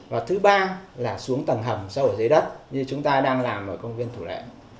và thứ ba là xuống tầng hầm sâu ở dưới đất như chúng ta đang làm ở công viên thủ lệ